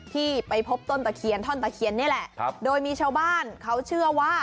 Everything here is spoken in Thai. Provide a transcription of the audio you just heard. ที่ไปพบต้นตะเขียนโดยมีชาวบ้านเขาเชื่อว่า